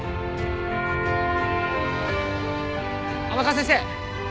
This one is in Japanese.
甘春先生